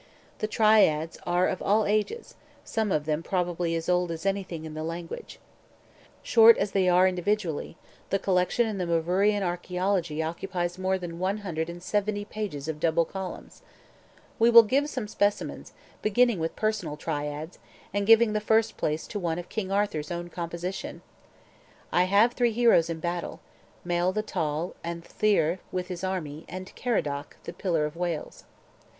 The Triads are of all ages, some of them probably as old as anything in the language. Short as they are individually, the collection in the Myvyrian Archaeology occupies more than one hundred and seventy pages of double columns. We will give some specimens, beginning with personal triads, and giving the first place to one of King Arthur's own composition: "I have three heroes in battle: Mael the tall, and Llyr, with his army, And Caradoc, the pillar of Wales."